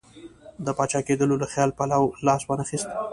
د پاچا کېدلو له خیال پلو لاس وانه خیست.